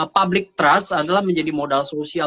public trust adalah menjadi modal sosial